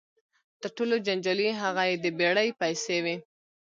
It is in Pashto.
تر ټولو جنجالي هغه یې د بېړۍ پیسې وې.